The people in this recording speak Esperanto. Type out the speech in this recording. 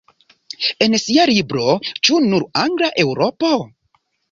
En sia libro "Ĉu nur-angla Eŭropo?